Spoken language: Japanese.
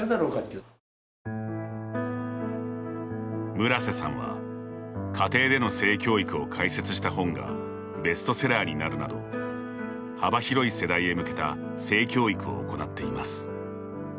村瀬さんは家庭での性教育を解説した本がベストセラーになるなど幅広い世代へ向けた性教育を行っています。